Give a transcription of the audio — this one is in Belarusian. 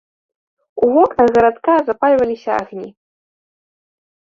У вокнах гарадка запальваліся агні.